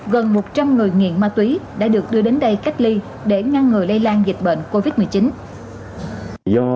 gần một trăm linh người nghiện ma túy đã được đưa đến đây cách ly để ngăn ngừa lây lan dịch bệnh covid một mươi chín